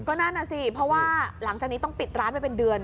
ก็นั่นน่ะสิเพราะว่าหลังจากนี้ต้องปิดร้านไว้เป็นเดือน